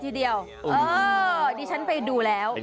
ทีเดียวดิฉันไปดูแล้ว